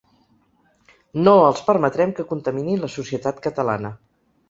No els permetrem que contaminin la societat catalana.